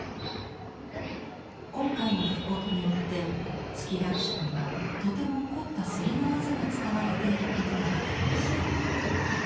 今回の復刻によって「月百姿」にはとても凝った摺りの技が使われていることが分かりました。